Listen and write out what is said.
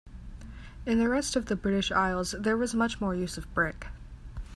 In the rest of the British Isles there was much more use of brick.